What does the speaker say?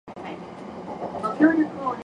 人間は考える葦である